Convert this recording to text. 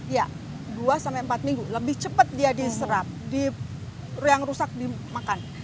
ya dua sampai empat minggu lebih cepat dia diserap yang rusak dimakan